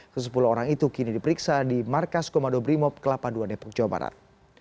kesepuluh orang itu kini diperiksa di markas komando brimob kelapa ii depok jawa barat